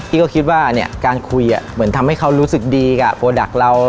คิดว่าการคุยเหมือนทำให้เขารู้สึกดีกับโปรดักต์เรา